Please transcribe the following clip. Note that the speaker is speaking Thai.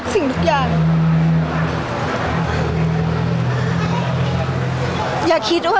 พี่ตอบได้แค่นี้จริงค่ะ